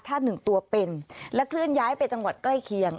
ถ้าหนึ่งตัวเป็นและเคลื่อนย้ายไปจังหวัดใกล้เคียง